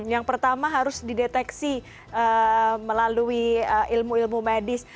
yang pertama harus dideteksi melalui ilmu ilmu medis